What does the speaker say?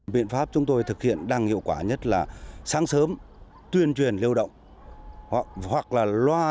biện pháp chúng tôi thực hiện đang hiệu quả nhất là sáng sớm tuyên truyền lưu động hoặc là loa